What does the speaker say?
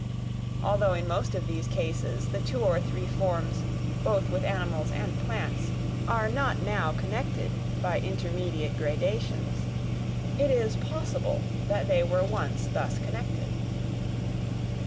Although in most of these cases, the two or three forms, both with animals and plants, are not now connected by intermediate gradations, it is possible that they were once thus connected.